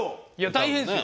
大変ですよ。